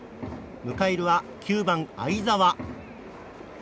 迎えるは９番、會澤。